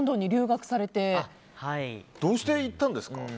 どうして行ったんですか？